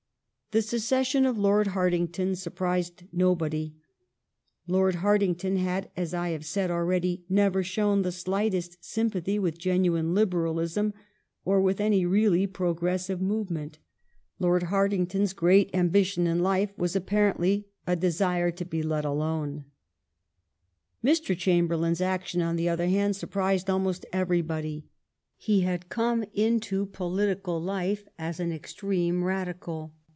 The secession of Lord Hartington surprised nobody. Lord Hartington had, as I have said already, never shown the slightest sympathy with genuine Liberalism or with any really progressive movement. Lord Hartington's great ambition in 2B 370 THE STORY OF GLADSTONE'S LIFE life was apparently a desire to be let alone. Mr. Chamberlain's action, on the other hand, surprised almost everybody. He had come into political life as an extreme Radical.